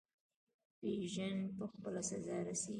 بیژن په خپله سزا رسیږي.